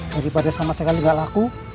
daripada sama sekali nggak laku